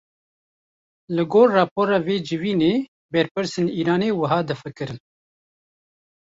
Li gor rapora vê civînê, berpirsên Îranê wiha difikirin